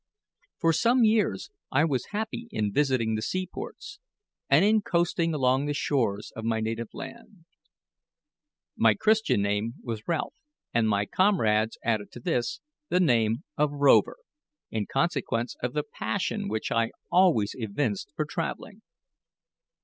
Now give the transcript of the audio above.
For some years I was happy in visiting the seaports, and in coasting along the shores, of my native land. My Christian name was Ralph; and my comrades added to this the name of Rover, in consequence of the passion which I always evinced for travelling.